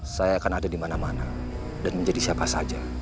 saya akan ada di mana mana dan menjadi siapa saja